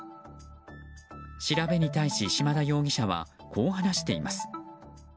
調べに対し、島田容疑者はこう話しています。